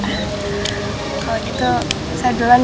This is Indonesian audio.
kalau gitu saya duluan